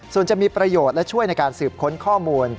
ส่วนจะมีประโยชน์และช่วยในการสืบค้นข้อมูล